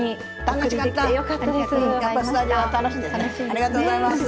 ありがとうございます。